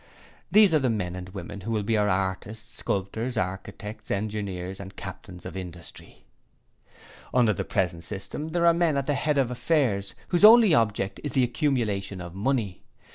These are the men and women who will be our artists, sculptors, architects, engineers and captains of industry. 'Under the present system there are men at the head of affairs whose only object is the accumulation of money.